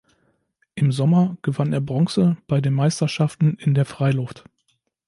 Im Sommer gewann er Bronze bei den Meisterschaften in der Freiluft.